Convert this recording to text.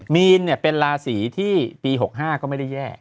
มีนเป็นราศีที่ปี๖๕ก็ไม่ได้แย่